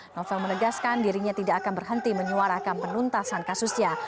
novel menegaskan dirinya tidak akan berhenti menyuarakan penuntasan kasusnya